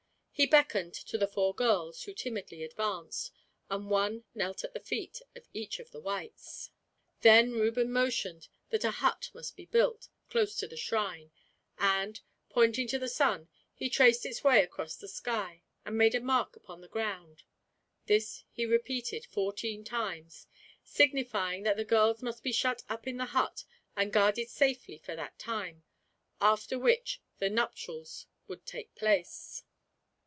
He beckoned to the four girls, who timidly advanced, and one knelt at the feet of each of the whites. Then Reuben motioned that a hut must be built, close to the shrine; and, pointing to the sun, he traced its way across the sky, and made a mark upon the ground. This he repeated fourteen times, signifying that the girls must be shut up in the hut and guarded safely for that time, after which the nuptials would take place.